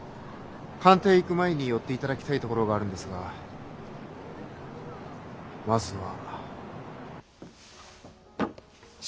官邸へ行く前に寄っていただきたい所があるんですがまずは。